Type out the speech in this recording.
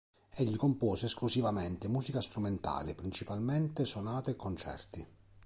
Egli compose esclusivamente musica strumentale, principalmente sonate e concerti.